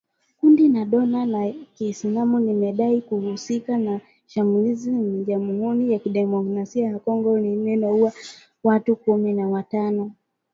Kundi la dola ya Kiislamu limedai kuhusika na shambulizi la Jamhuri ya kidemokrasia ya Kongo lililouwa watu kumi na watano.